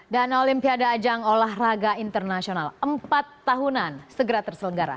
dan olimpiade ajang olahraga internasional empat tahunan segera terselenggara